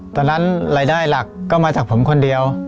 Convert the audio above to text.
ตอนนั้นรายได้หลักก็มาจากผมคนเดียว